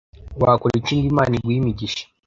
Wakora iki ngo Imana iguhe imigisha?